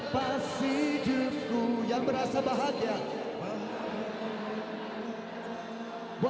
panisnya kata cinta